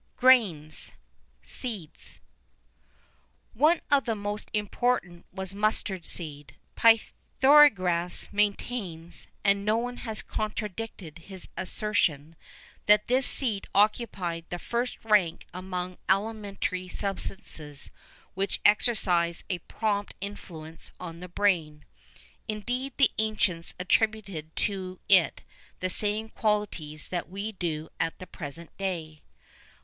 VI. GRAINS: SEEDS. One of the most important was Mustard seed. Pythagoras maintains (and no one has contradicted his assertion) that this seed occupied the first rank amongst alimentary substances which exercise a prompt influence on the brain.[VI 1] Indeed the ancients attributed to it the same qualities that we do at the present day.